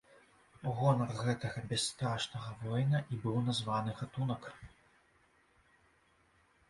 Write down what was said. У гонар гэтага бясстрашнага воіна і быў названы гатунак.